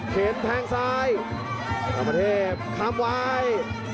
เข็นทางซ้ายรับประเทศข้ามวาย